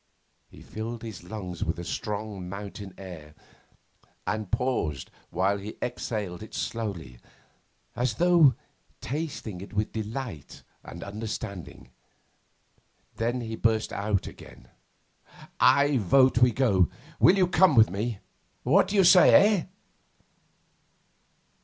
He filled his lungs with the strong mountain air, and paused while he exhaled it slowly, as though tasting it with delight and understanding. Then he burst out again, 'I vote we go. Will you come with me? What d'you say. Eh?